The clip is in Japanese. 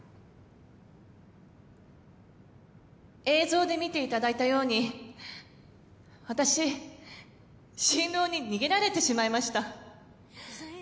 映像で見ていただいたように私新郎に逃げられてしまいました。